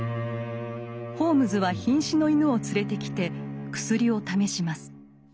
ホームズはひん死の犬を連れてきて薬を試します。